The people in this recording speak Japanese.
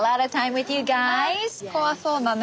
怖そうなね。